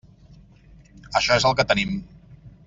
Això és el que tenim.